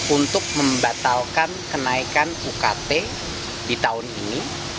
untuk membatalkan kenaikan ukt di tahun ini